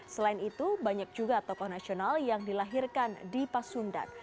selain itu banyak juga tokoh nasional yang dilahirkan di pasundan